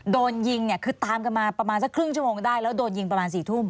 โดนยิงเนี่ยคือตามกันมาประมาณสักครึ่งชั่วโมงได้แล้วโดนยิงประมาณ๔ทุ่ม